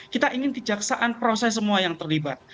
kita ingin kejaksaan proses semua yang terlibat